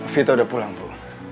vita udah pulang bu